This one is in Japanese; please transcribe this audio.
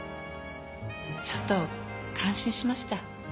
ちょっと感心しました。